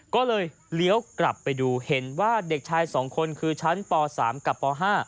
ก็เลยเลี้ยวกลับไปดูเห็นว่าเด็กชาย๒คนคือชั้นป๓กับป๕